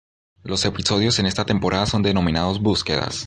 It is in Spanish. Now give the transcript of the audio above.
Los episodios en esta temporada son denominados "Búsquedas"